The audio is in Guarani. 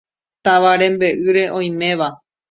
Táva rembe'ýre oiméva.